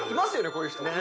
こういう人。